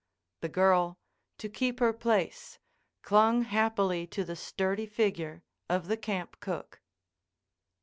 The girl, to keep her place, clung happily to the sturdy figure of the camp cook.